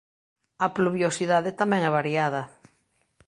A pluviosidade tamén é variada.